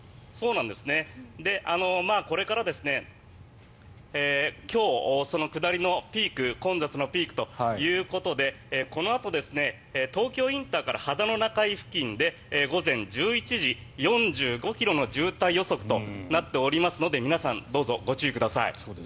これから、今日下りのピーク混雑のピークということでこのあと東京ＩＣから秦野中井ＩＣ付近で午前１１時、４５ｋｍの渋滞予測となっていますので皆さんどうぞご注意ください。